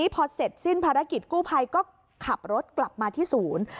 พอเสร็จสิ้นภารกิจกู้ภัยก็ขับรถกลับมาที่ศูนย์